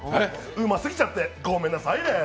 うますぎちゃって、ごめんなさいねー。